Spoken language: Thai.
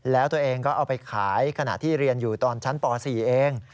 แล้วตัวเองก็เอาไปขายขณะที่เรียนอยู่ตอนชั้นป๔เอง